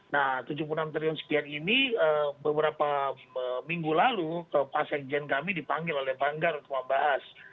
nah tujuh puluh enam triliun sekian ini beberapa minggu lalu pak sekjen kami dipanggil oleh banggar untuk membahas